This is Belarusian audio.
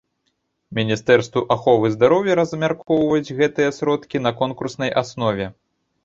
Міністэрству аховы здароўя размяркоўваць гэтыя сродкі на конкурснай аснове.